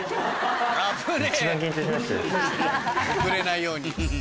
遅れないように。